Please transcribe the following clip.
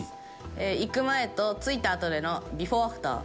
行く前と着いたあとでのビフォーアフター。